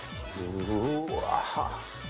うわ。